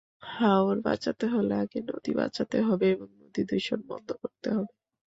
হাওর বাঁচাতে হলে আগে নদী বাঁচাতে হবে এবং নদীদূষণ বন্ধ করতে হবে।